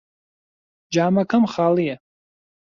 جامەکەم خاڵییە.